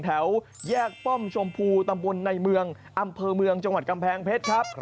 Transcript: แถวแยกป้อมชมพูตำบลในเมืองอำเภอเมืองจังหวัดกำแพงเพชรครับ